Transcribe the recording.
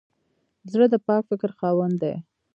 زړه د پاک فکر خاوند دی.